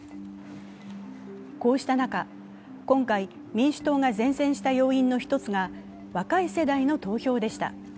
こうした中、今回、民主党が善戦した要因の１つが若い世代の投票でした。